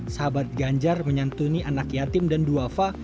sahabat ganjar menyantuni anak yatim dan duafa